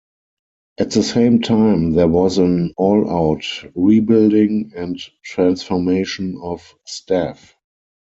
At the same time there was an all-out rebuilding and transformation of staff.